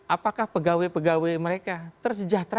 apakah pegawai pegawai mereka tersejahtera